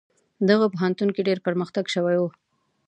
دغه پوهنتون کې ډیر پرمختګ شوی و.